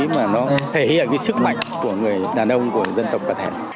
mà nó thể hiện cái sức mạnh của người đàn ông của dân tộc bà thẻn